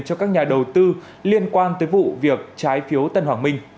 cho các nhà đầu tư liên quan tới vụ việc trái phiếu tân hoàng minh